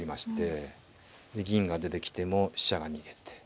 銀が出てきても飛車が逃げて。